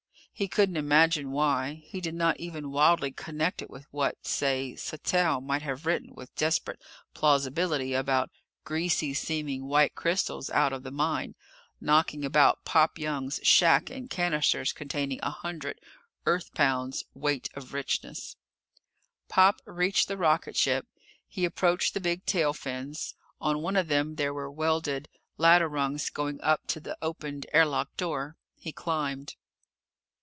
He couldn't imagine why. He did not even wildly connect it with what say Sattell might have written with desperate plausibility about greasy seeming white crystals out of the mine, knocking about Pop Young's shack in cannisters containing a hundred Earth pounds weight of richness. Pop reached the rocketship. He approached the big tail fins. On one of them there were welded ladder rungs going up to the opened air lock door. He climbed.